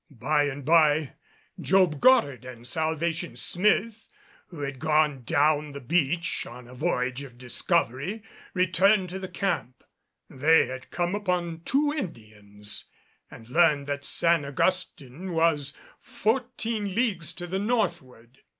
By and by, Job Goddard and Salvation Smith, who had gone down the beach on a voyage of discovery, returned to the camp. They had come upon two Indians and learned that San Augustin was fourteen leagues to the northward.